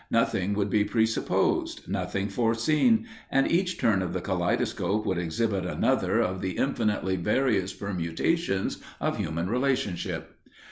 Nothing would be presupposed, nothing foreseen, and each turn of the kaleidoscope would exhibit another of the infinitely various permutations of human relationship.